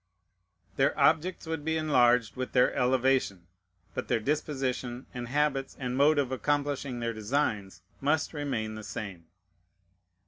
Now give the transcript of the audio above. Their objects would be enlarged with their elevation; but their disposition, and habits, and mode of accomplishing their designs must remain the same.